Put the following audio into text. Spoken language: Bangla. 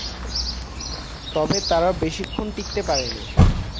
তবে তারা বেশিক্ষণ টিকতে পারেনি।